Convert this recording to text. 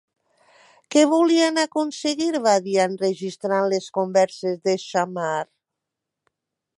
Què volien aconseguir Badia enregistrant les converses de Xammar?